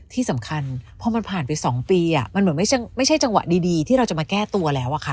ที่สำคัญพอมันผ่านไป๒ปีมันเหมือนไม่ใช่จังหวะดีที่เราจะมาแก้ตัวแล้วอะค่ะ